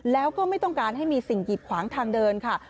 แล้วก็ไม่ต้องการให้มีสิ่งกีดขวางทางเดินค่ะ